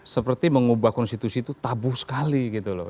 seperti mengubah konstitusi itu tabu sekali gitu loh